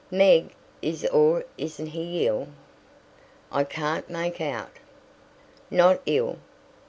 "Meg, is or isn't he ill? I can't make out." "Not ill.